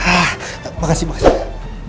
hah makasih makasih